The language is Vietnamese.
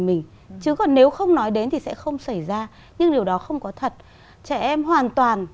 mình chứ còn nếu không nói đến thì sẽ không xảy ra nhưng điều đó không có thật trẻ em hoàn toàn